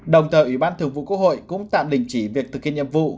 đồng thời ủy ban thường vụ quốc hội cũng tạm đình chỉ việc thực hiện nhiệm vụ